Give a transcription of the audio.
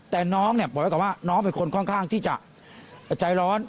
แต่น้องเนี่ยบอกไว้ก่อนว่าน้องเป็นคนค่อนข้างที่จะใจร้อน